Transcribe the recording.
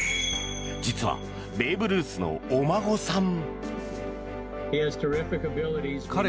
実はベーブ・ルースのお孫さん。